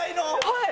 はい。